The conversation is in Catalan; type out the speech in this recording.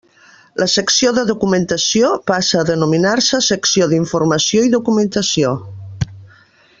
La Secció de Documentació passa a denominar-se Secció d'Informació i Documentació.